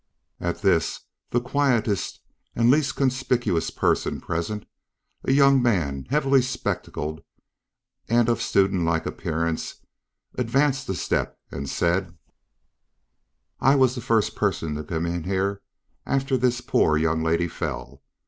At this the quietest and least conspicuous person present, a young man heavily spectacled and of student like appearance, advanced a step and said: "I was the first person to come in here after this poor young lady fell.